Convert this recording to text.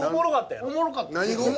おもろかったやろ？